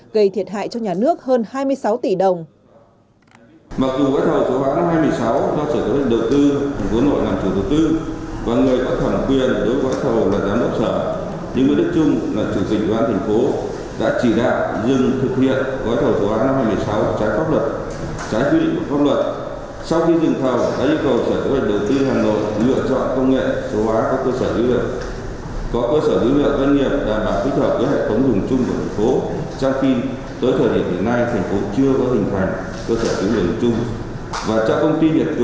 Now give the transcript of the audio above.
gây thiệt hại cho nhà nước hơn hai mươi sáu tỷ đồng